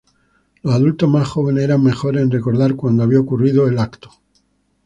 Los adultos más jóvenes eran mejores en recordar cuándo había ocurrido el evento.